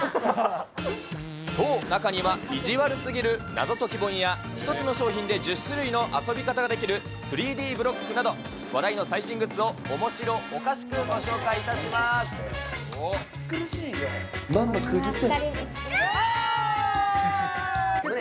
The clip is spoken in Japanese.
そう、中には意地悪すぎる謎解き本や、１つの商品で１０種類の遊び方ができる、３Ｄブロックなど、話題の最新グッズをおもしろおかしくご紹介いママ、崩せ。